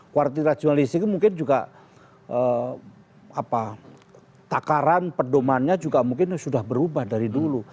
kualitas jurnalistik ini mungkin juga takaran perdomannya juga mungkin sudah berubah dari dulu